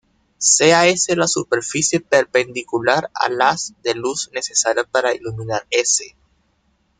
Sea S la superficie perpendicular al haz de luz necesario para iluminar S'.